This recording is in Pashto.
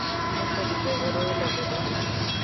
دلته دې د غرو لمنې.